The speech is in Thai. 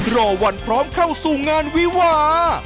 รอวันพร้อมเข้าสู่งานวิวา